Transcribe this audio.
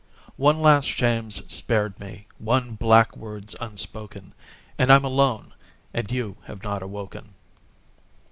One last shame's spared me, one black word's unspoken; And I'm alone; and you have not awoken.